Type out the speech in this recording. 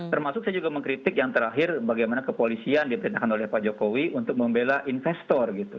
termasuk saya juga mengkritik yang terakhir bagaimana kepolisian diperintahkan oleh pak jokowi untuk membela investor gitu